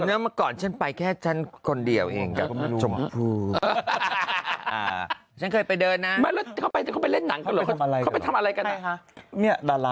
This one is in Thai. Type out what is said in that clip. เนี่ยเมื่อก่อนฉันไปแค่ฉันคนเดียวเองกับชมพูดอ่ะอ่ะอ่ะอ่ะอ่ะอ่ะอ่ะอ่ะอ่ะ